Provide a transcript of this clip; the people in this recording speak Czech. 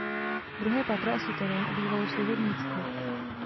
Druhé patro a suterén obývalo služebnictvo.